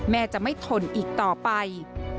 แม่จะไม่ทนอีกต่อไป